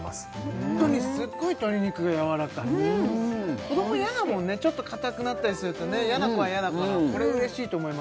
ホントにすっごい鶏肉がやわらかい子ども嫌だもんねちょっと硬くなったりするとね嫌な子は嫌だからこれうれしいと思います